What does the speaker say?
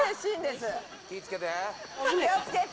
気付けて！